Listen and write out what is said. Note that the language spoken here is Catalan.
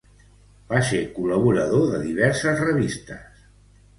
Va ser col·laborador de diverses revistes.